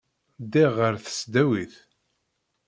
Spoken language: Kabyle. Ddiɣ ɣer tesdawit.